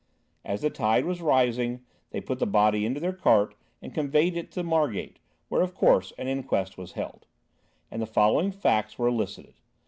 As the tide was rising, they put the body into their cart and conveyed it to Margate, where, of course, an inquest was held, and the following facts were elicited.